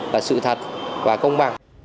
là sự thật và công bằng